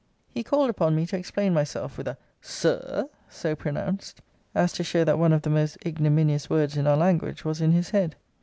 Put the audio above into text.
He called upon me to explain myself, with a Sir r, so pronounced, as to show that one of the most ignominious words in our language was in his head.